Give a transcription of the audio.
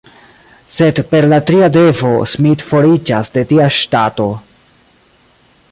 Sed per la tria devo Smith foriĝas de tia ŝtato.